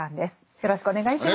よろしくお願いします。